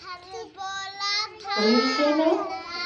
What do you say now?